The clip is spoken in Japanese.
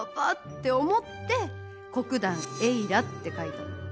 て思って「コクダンエイラ」って書いたの。